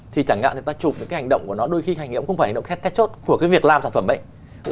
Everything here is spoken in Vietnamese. thì chẳng hạn người ta chụp những cái hành động của nó đôi khi hành động cũng không phải là hành động kết chốt của cái việc làm sản phẩm ấy